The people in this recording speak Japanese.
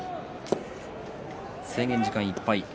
制限時間いっぱい。